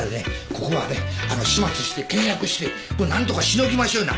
ここはね始末して倹約して何とかしのぎましょうな。